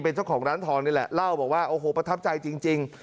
เป็นเจ้าของร้านทองนี่แหละเล่าบอกว่าโอ้โหประทับใจจริง